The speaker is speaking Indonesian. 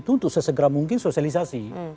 untuk sesegera mungkin sosialisasi